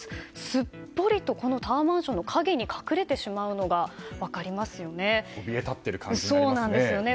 すっぽりとタワーマンションの陰に隠れてしまうのが分かりますよね。